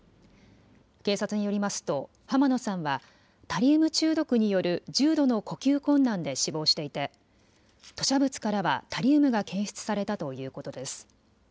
警察によりますと濱野さんはタリウム中毒による重度の呼吸困難で死亡していて吐しゃ物からはタリウムが検出されたということです。